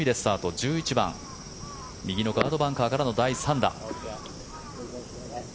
１１番右のガードバンカーからの第３打。